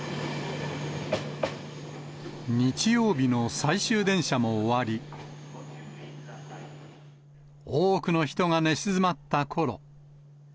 日曜日の最終電車も終わり、多くの人が寝静まったころ。